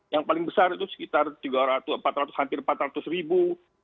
yang paling besar itu sekitar empat ratus hampir empat ratus ribu